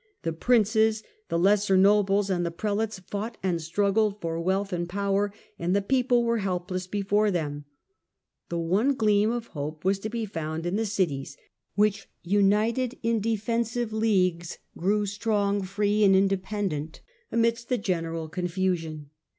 The princes, the lesser nobles and the prelates fought and struggled for wealth and power, and the people were helpless before them. The one gleam of hope was to be found in the cities, which, united in de fensive leagues, grew strong, free and independent amidst I THE FALL OF THE HOHENSTAUFEN 249 e general confusion.